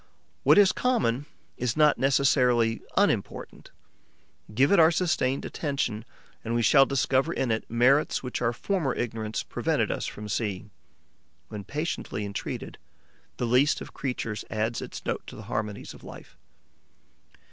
What is common is not necessarily unimportant. Give it our sustained attention and we shall discover in it merits which our former ignorance prevented us from seeing. When patiently entreated, the least of creatures adds its note to the harmonies of life.